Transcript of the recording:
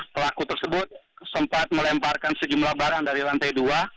pelaku tersebut sempat melemparkan sejumlah barang dari lantai dua